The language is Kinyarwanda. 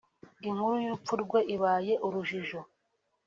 Inkuru y’urupfu rwe ibaye urujijo